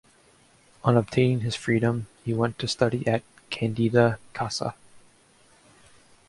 On obtaining his freedom, he went to study at Candida Casa.